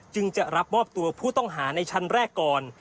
จึงจะรับมอบตัวผู้ต้องหาในชั้นแรกก่อน